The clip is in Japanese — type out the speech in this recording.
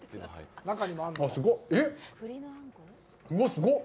すごっ。